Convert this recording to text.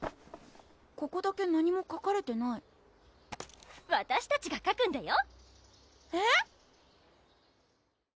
ここだけ何もかかれてないわたしたちがかくんだよ！